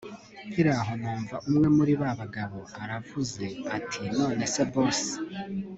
nkiraho numva umwe muri babagabo aravuze ati nonese boss